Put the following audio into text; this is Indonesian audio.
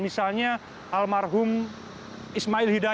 misalnya almarhum ismail hidayah